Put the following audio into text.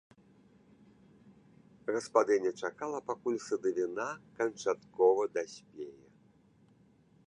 Гаспадыня чакала, пакуль садавіна канчаткова даспее.